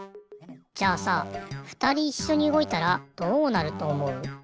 じゃあさふたりいっしょにうごいたらどうなるとおもう？